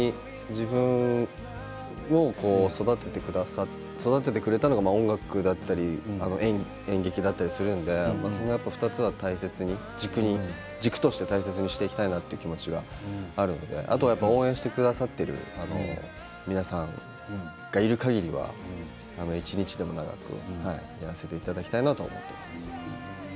自分を育ててくれたのが音楽だったり演劇だったりするのでその２つは大切に軸として大切にしていきたいなという気持ちがあるのであと応援してくださっている皆さんがいるかぎり一日でも長くやらせていただきたいなと思っています。